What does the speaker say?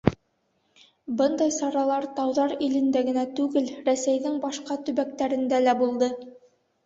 Бындай саралар тауҙар илендә генә түгел, Рәсәйҙең башҡа төбәктәрендә лә булды.